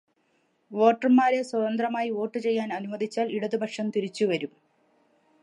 വോട്ടർമാരെ സ്വതന്ത്രമായി വോട്ടുചെയ്യാൻ അനുവദിച്ചാൽ ഇടതുപക്ഷം തിരിച്ചുവരും.